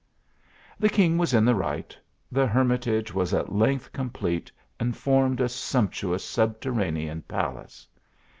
The king was in the right, the hermitage was at length complete and formed a sumptuous subter ranean palace.